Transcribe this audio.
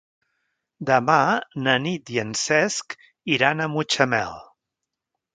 Demà na Nit i en Cesc iran a Mutxamel.